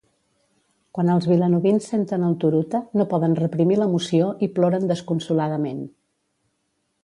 Quan els vilanovins senten el Turuta no poden reprimir l'emoció i ploren desconsoladament.